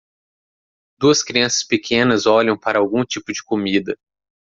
Duas crianças pequenas olham para algum tipo de comida.